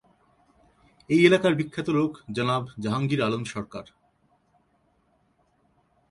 এই এলাকার বিখ্যাত লোক জনাব, জাহাঙ্গীর আলম সরকার।